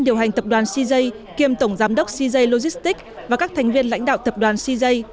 điều hành tập đoàn cj kiêm tổng giám đốc cj logistics và các thành viên lãnh đạo tập đoàn cj